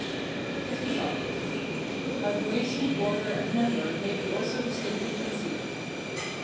LV. How duration, order, and number may be also distinctly conceived.